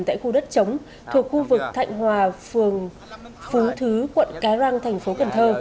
tại khu đất chống thuộc khu vực thạnh hòa phường phú thứ quận cái răng thành phố cần thơ